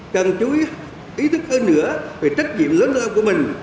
cần chú ý thức hơn nữa về trách nhiệm lớn lớn của mình